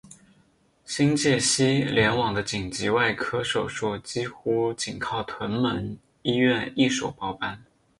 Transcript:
新界西联网的紧急外科手术几乎仅靠屯门医院一手包办。